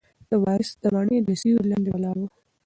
وارث د مڼې له سیوري لاندې ولاړ و.